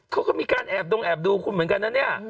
เขาก็มีการแอบดงแอบดูคุณเหมือนกันนะเนี่ย